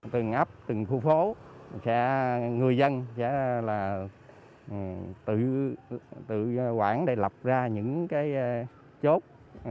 từng ấp từng khu phố người dân sẽ tự quản để lập ra những chốt